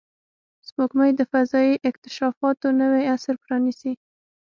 سپوږمۍ د فضایي اکتشافاتو نوی عصر پرانستی